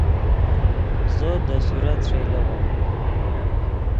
زو دے صورت ݰئیلیغّو